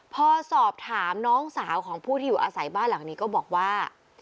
พอสอบถามน้องสาวของผู้ที่อยู่อาศัยบ้านหลังนี้ก็บอกว่า